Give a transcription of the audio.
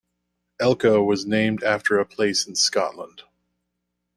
Elcho was named after a place in Scotland.